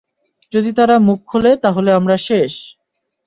যদি তারা মুখ খোলে, তাহলে আমরা শেষ।